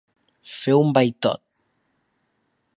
Fer un vaitot.